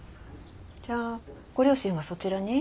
じゃあご両親はそちらに？